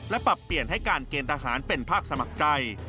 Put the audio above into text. และปรับเปลี่ยนให้การเกณฑ์ทหารเป็นภาคสมัครใจ